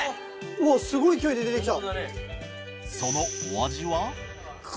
すごい勢いで出てきた。